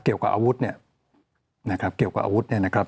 เกี่ยวกับอาวุธเนี่ยนะครับเกี่ยวกับอาวุธเนี่ยนะครับ